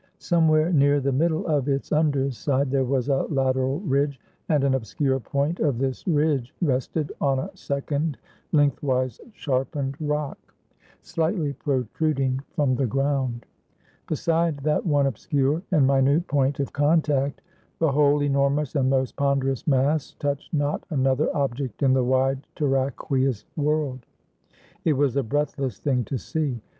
Somewhere near the middle of its under side, there was a lateral ridge; and an obscure point of this ridge rested on a second lengthwise sharpened rock, slightly protruding from the ground. Beside that one obscure and minute point of contact, the whole enormous and most ponderous mass touched not another object in the wide terraqueous world. It was a breathless thing to see.